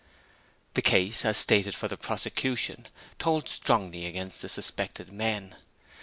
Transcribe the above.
The case, as stated for the prosecution, told strongly against the suspected men.